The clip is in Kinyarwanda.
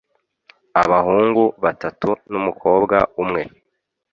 abahungu batatu n’umukobwa umwe